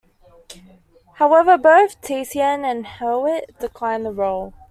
However, both Thiessen and Hewitt declined the role.